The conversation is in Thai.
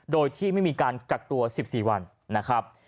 โดยที่ไม่มีการกักตัว๑๔วันนะครับ